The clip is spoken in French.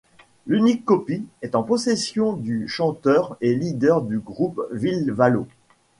L'unique copie est en possession du chanteur et leader du groupe Ville Valo.